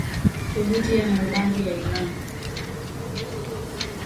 Tovuti ya habari ya Iran